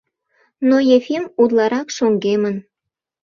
Но Ефим утларак шоҥгемын.